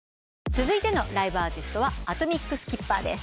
続いてのライブアーティストはＡｔｏｍｉｃＳｋｉｐｐｅｒです。